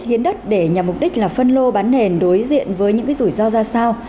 hiến đất để nhằm mục đích là phân lô bán nền đối diện với những rủi ro ra sao